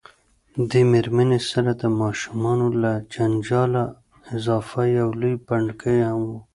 دې میرمنې سره د ماشومانو له جنجاله اضافه یو لوی پنډکی هم و.